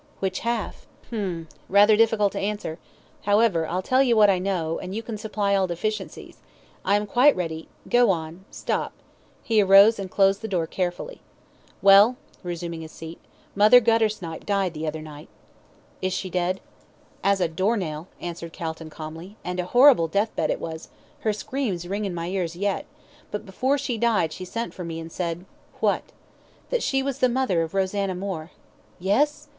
"Which half?" "Hum rather difficult to answer however, I'll tell you what I know, and you can supply all deficiencies. I am quite ready go on stop " he arose and closed the door carefully. "Well," resuming his seat, "Mother Guttersnipe died the other night." "Is she dead?" "As a door nail," answered Calton calmly. "And a horrible death bed it was her screams ring in my ears yet but before she died she sent for me, and said " "What?" "That she was the mother of Rosanna Moore." "Yes!"